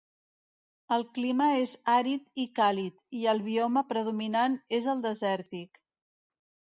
El clima és àrid i càlid, i el bioma predominant és el desèrtic.